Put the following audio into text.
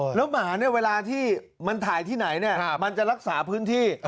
แล้วหมาเนี่ยเวลาที่มันถ่ายที่ไหนมันจะรักษาพื้นที่